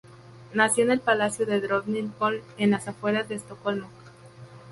Nació en el Palacio de Drottningholm, en las afueras de Estocolmo.